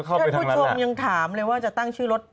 ท่านผู้ชมยังถามเลยว่าจะตั้งชื่อรถ